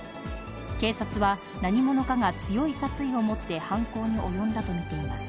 警察は、何者かが強い殺意を持って犯行に及んだと見ています。